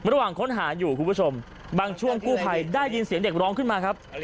ระหว่างค้นหาอยู่คุณผู้ชมบางช่วงกู้ภัยได้ยินเสียงเด็กร้องขึ้นมาครับ